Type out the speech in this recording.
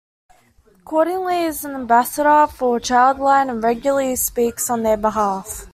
Cordingly is an Ambassador for ChildLine and regularly speaks on their behalf.